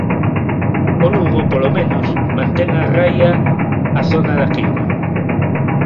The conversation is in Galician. O Lugo, polo menos, mantén a raia a zona da queima.